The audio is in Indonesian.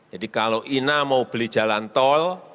jadi kalau ina mau beli jalan tol